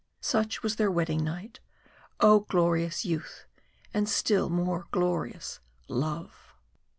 Such was their wedding night. Oh! glorious youth! and still more glorious love!